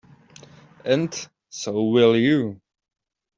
And so will you.